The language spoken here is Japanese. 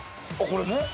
あこれね。